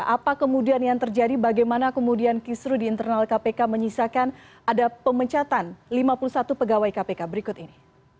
apa kemudian yang terjadi bagaimana kemudian kisru di internal kpk menyisakan ada pemecatan lima puluh satu pegawai kpk berikut ini